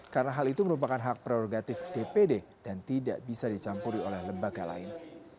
karena hal itu merupakan hak prerogatif dpd dan tidak bisa dicampuri oleh lembaga lain